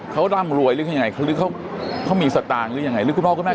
เขาร่ำรวยหรือยังไงหรือเขามีสตางค์หรือยังไงหรือคุณพ่อคุณแม่